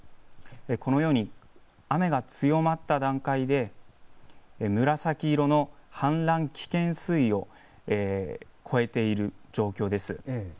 このように雨が強まった段階で、紫色の氾濫危険水位を超えている状況です。